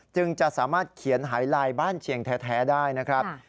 จึงจะสามารถเขียนหายลายบ้านเชียงแท้ได้นะครับ